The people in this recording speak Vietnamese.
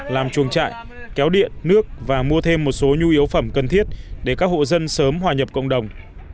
làm chuồng trại kéo điện nước và mua thêm một số nhu yếu phẩm cần thiết để các hộ dân sớm hòa nhập cộng đồng